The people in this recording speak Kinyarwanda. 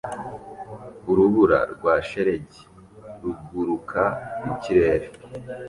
Urubura rwa shelegi ruguruka mu kirere